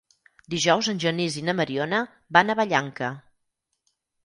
Dijous en Genís i na Mariona van a Vallanca.